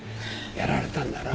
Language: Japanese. やられたんだろ？